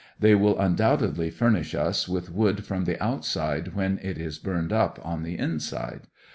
They will undoubtedly furnish us with wood from the outside, when it is burned up on the inside.